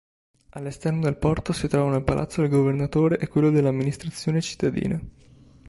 All'esterno del porto si trovano il palazzo del governatore e quello dell'amministrazione cittadina.